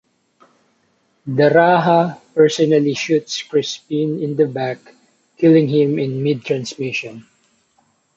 The Raja personally shoots Crespin in the back, killing him in mid-transmission.